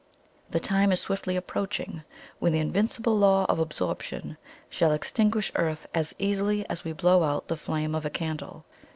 The time is swiftly approaching when the invincible Law of Absorption shall extinguish Earth as easily as we blow out the flame of a candle.